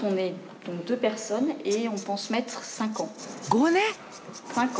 ５年！